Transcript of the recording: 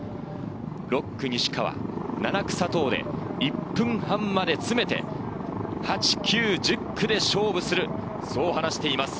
６区・西川、７区・佐藤で１分半まで詰めて、８、９、１０区で勝負する、そう話しています。